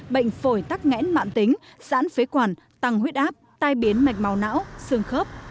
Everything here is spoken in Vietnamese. bệnh phổi tắc ngãn mạng tính giãn phế quản tăng huyết áp tai biến mạch màu não sương khớp